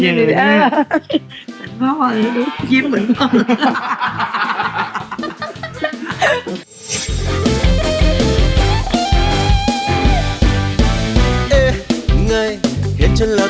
เหมือนพ่อเลยดูยิ้มเหมือนพ่อเลย